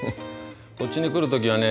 こっちに来る時はね